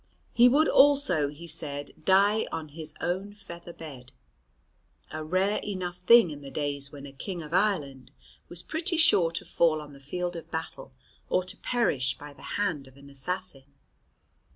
He would also, he said, "die on his own feather bed," a rare enough thing in the days when a King of Ireland was pretty sure to fall on the field of battle or to perish by the hand of an assassin.